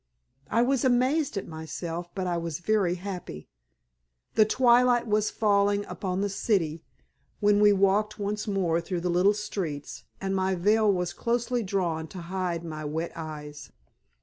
I was amazed at myself, but I was very happy. The twilight was falling upon the city when we walked once more through the little streets, and my veil was closely drawn to hide my wet eyes.